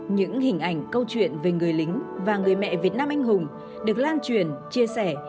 những hình ảnh câu chuyện về người lính và người mẹ việt nam anh hùng được lan truyền chia sẻ